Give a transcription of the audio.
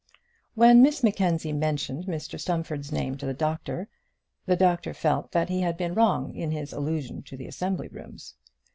When Miss Mackenzie mentioned Mr Stumfold's name to the doctor, the doctor felt that he had been wrong in his allusion to the assembly rooms.